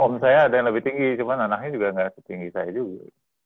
om saya ada yang lebih tinggi cuma anaknya juga nggak setinggi saya juga